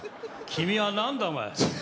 君は、何だお前。